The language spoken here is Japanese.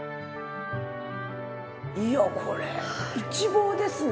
いやこれ一望ですね。